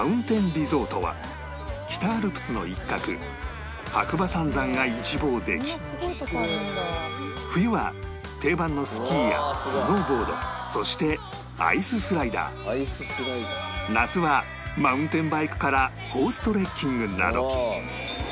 リゾートは北アルプスの一角白馬三山が一望でき冬は定番のスキーやスノーボードそしてアイススライダー夏はマウンテンバイクからホーストレッキングなど